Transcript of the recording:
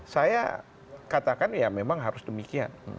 saya katakan ya memang harus demikian